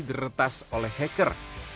diretas oleh hacker